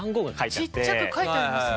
ちっちゃく書いてありますね。